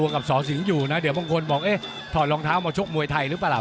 กับสอสิงห์อยู่นะเดี๋ยวบางคนบอกเอ๊ะถอดรองเท้ามาชกมวยไทยหรือเปล่า